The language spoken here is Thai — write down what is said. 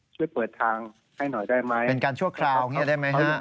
ช่วยเปิดทางให้หน่อยได้ไหมเป็นการชั่วคราวอย่างนี้ได้ไหมฮะ